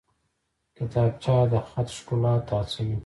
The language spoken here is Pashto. کتابچه د خط ښکلا ته هڅوي